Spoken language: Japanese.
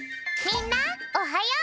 みんなもおはよう！